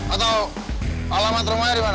atau alamat rumahnya di mana